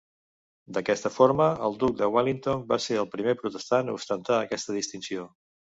D'aquesta forma, el duc de Wellington va ser el primer protestant a ostentar aquesta distinció.